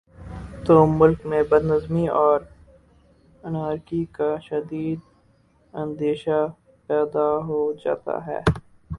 تو ملک میں بد نظمی اور انارکی کا شدید اندیشہ پیدا ہو جاتا ہے